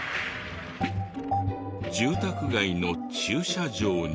住宅街の駐車場に。